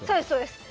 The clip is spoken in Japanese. そうです。